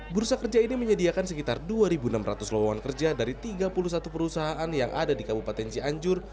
bursa kerja ini menyediakan sekitar dua enam ratus lowongan kerja dari tiga puluh satu perusahaan yang ada di kabupaten cianjur